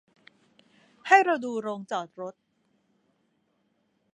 ให้เราดูโรงจอดรถ